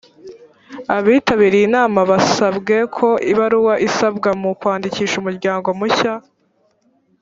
abitabiriye inama basabye ko ibaruwa isabwa mu kwandikisha umuryango mushya